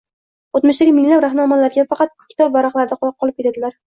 o‘tmishdagi minglab rahnamolar kabi faqat kitob varaqlarida qolib ketardilar.